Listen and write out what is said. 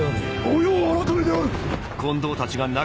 御用改めである。